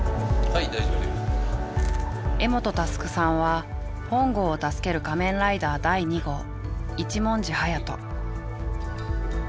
柄本佑さんは本郷を助ける仮面ライダー第２号一文字隼人。